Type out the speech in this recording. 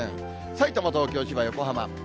さいたま、東京、千葉、横浜。